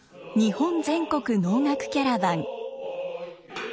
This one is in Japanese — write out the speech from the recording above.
「日本全国能楽キャラバン！」。